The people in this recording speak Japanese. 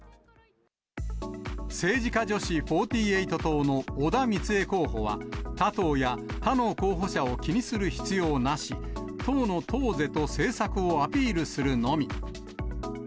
政治家女子４８党の織田三江候補は、他党や他の候補者を気にする必要なし、党の党是と政策をアピールするのみ。